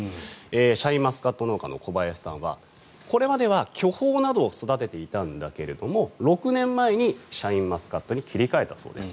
シャインマスカット農家の小林さんはこれまでは巨峰などを育てていたんだけれども６年前にシャインマスカットに切り替えたそうです。